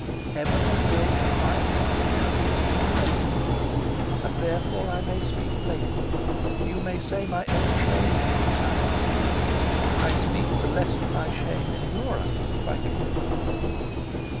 Heaven has willed that my secret should be to you no secret, and therefore I may speak plainly. You may say my own shame should silence me; I speak to lessen my shame in your eyes, if I can."